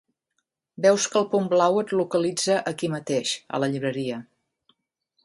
Veus que el punt blau et localitza aquí mateix, a la llibreria.